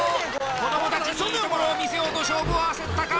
子どもたちにいいところを見せようと勝負を焦ったか？